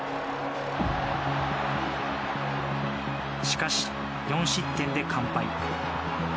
しかし４失点で完敗。